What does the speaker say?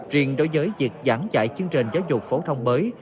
riêng đối với việc giảng dạy chương trình giáo dục phổ thông mới